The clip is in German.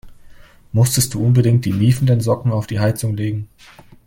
Musstest du unbedingt die miefenden Socken auf die Heizung legen?